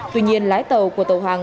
tuy nhiên lái tàu của tàu hàng